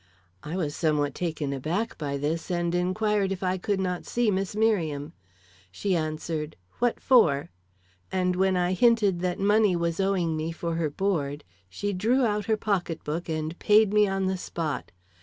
"I was somewhat taken aback by this, and inquired if I could not see Miss Merriam. She answered 'What for?' and when I hinted that money was owing me for her board, she drew out her pocket book and paid me on the spot.